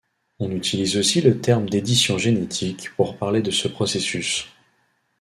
On utilise aussi le terme d'édition génétique pour parler de ce processus.